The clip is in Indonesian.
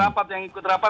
pak ini gak ikut rapat